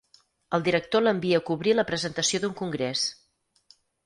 El director l'envia a cobrir la presentació d'un congrés.